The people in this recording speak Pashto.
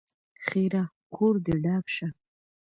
ښېرا: کور دې ډاک شه!